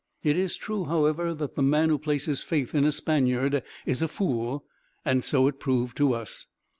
It is true, however, that the man who places faith in a Spaniard is a fool, and so it proved to us.